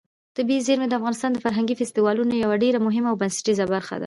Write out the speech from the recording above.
طبیعي زیرمې د افغانستان د فرهنګي فستیوالونو یوه ډېره مهمه او بنسټیزه برخه ده.